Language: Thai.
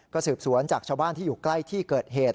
ก็สืบสวนจากชาวบ้านที่อยู่ใกล้ที่เกิดเหตุ